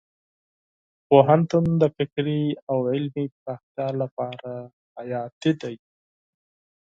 پوهنتون د فکري او علمي پراختیا لپاره حیاتي دی.